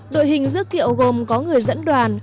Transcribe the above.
đội hình rước kiệu gồm có người dẫn đoàn